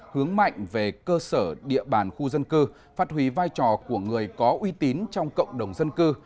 hướng mạnh về cơ sở địa bàn khu dân cư phát huy vai trò của người có uy tín trong cộng đồng dân cư